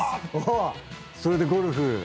それでゴルフ。